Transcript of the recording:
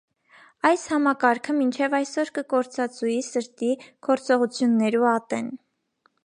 Այս համակարքը մինչեւ այսօր կը քործածուի սրտի քործողութիւններու ատեն։